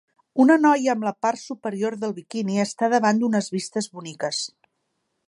Una noia amb la part superior del biquini està davant d'unes vistes boniques